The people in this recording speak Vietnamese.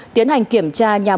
tiến hành kiểm tra nhằm